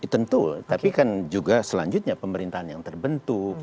tentu tapi kan juga selanjutnya pemerintahan yang terbentuk